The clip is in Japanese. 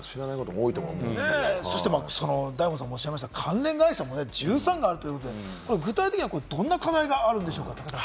そして、大門さんもおっしゃいました、関連会社も１３もあるということですが、具体的にはどんな課題があるんでしょうか？